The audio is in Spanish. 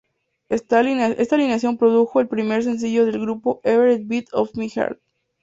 Esta alineación produjo el primer sencillo del grupo, "Every Beat of My Heart".